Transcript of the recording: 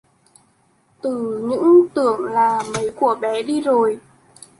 Từ những tưởng là mấy của bé đi rồi